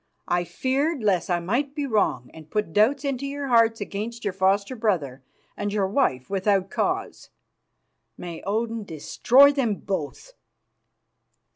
I feared lest I might be wrong and put doubts into your heart against your foster brother and your wife without cause. May Odin destroy them both!"